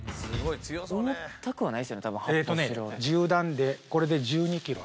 重たくはないですよね、１０段で、これで１２キロ。